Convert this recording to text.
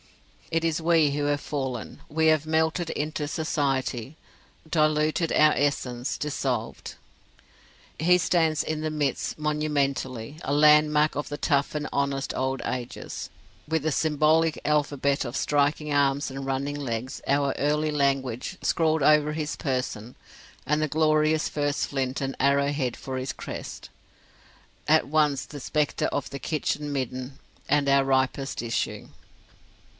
It is we who have fallen; we have melted into Society, diluted our essence, dissolved. He stands in the midst monumentally, a land mark of the tough and honest old Ages, with the symbolic alphabet of striking arms and running legs, our early language, scrawled over his person, and the glorious first flint and arrow head for his crest: at once the spectre of the Kitchen midden and our ripest issue.